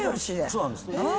そうなんです。